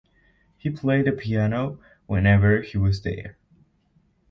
He played the piano whenever he was there.